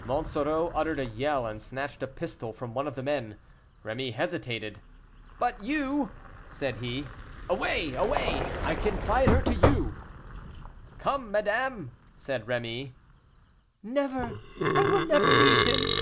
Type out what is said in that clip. Monsoreau uttered a yell and snatched a pistol from one of the men. Rémy hesitated. "But you?" said he. "Away! away! I confide her to you." "Come, madame," said Rémy. "Never! I will never leave him."